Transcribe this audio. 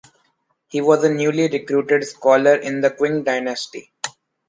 He was a newly-recruited scholar in the Qing Dynasty.